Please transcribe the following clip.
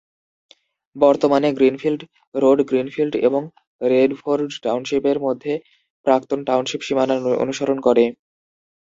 বর্তমানে, Greenfield road Greenfield এবং Redford টাউনশিপের মধ্যে প্রাক্তন টাউনশিপ সীমানা অনুসরণ করে।